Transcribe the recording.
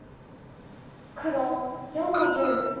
黒４の十。